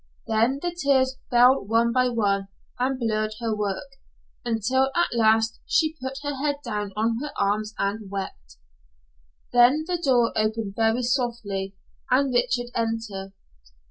Then the tears fell one by one and blurred her work, until at last she put her head down on her arms and wept. Then the door opened very softly and Richard entered.